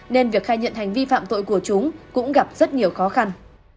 nên việc khai nhận hành vi phạm tội của chúng cũng gặp rất nhiều khó khăn